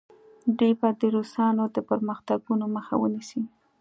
دوی به د روسانو د پرمختګونو مخه ونیسي.